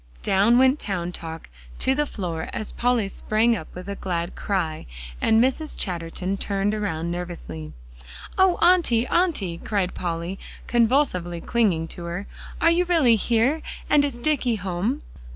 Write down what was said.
Down went Town Talk to the floor as Polly sprang up with a glad cry, and Mrs. Chatterton turned around nervously. "Oh, Auntie Auntie!" cried Polly, convulsively clinging to her, "are you really here, and is Dicky home?"